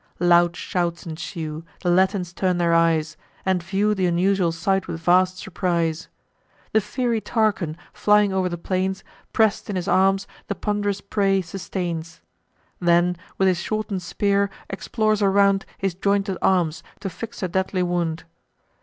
Loud shouts ensue; the Latins turn their eyes, And view th' unusual sight with vast surprise. The fiery Tarchon, flying o'er the plains, Press'd in his arms the pond'rous prey sustains; Then, with his shorten'd spear, explores around His jointed arms, to fix a deadly wound.